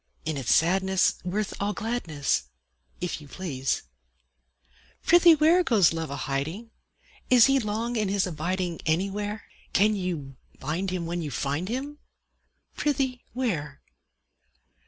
In its sadness worth all gladness, If you please! Prithee where, Goes Love a hiding? Is he long in his abiding Anywhere? Can you bind him when you find him; Prithee, where?